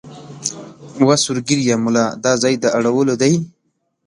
وه سور ږیریه مولا دا ځای د اړولو دی